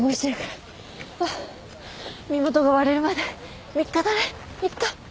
ハァ身元が割れるまで３日だね３日。